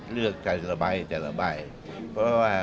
แต่ละใบแต่ละใบเพราะว่า